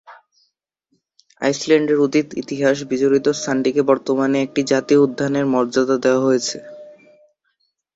আইসল্যান্ডের অতীত ইতিহাস-বিজড়িত স্থানটিকে বর্তমানে একটি জাতীয় উদ্যানের মর্যাদা দেয়া হয়েছে।